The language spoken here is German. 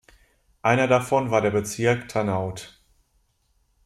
Einer davon war der Bezirk Tanout.